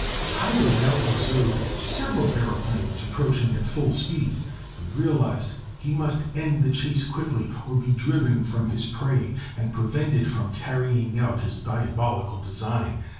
Tyler now observed several aëroplanes approaching at full speed, and realized he must end the chase quickly or be driven from his prey and prevented from carrying out his diabolical design.